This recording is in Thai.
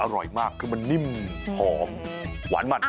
อร่อยมากคือมันนิ่มหอมหวานมัน